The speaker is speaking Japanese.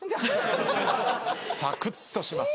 サクッとします。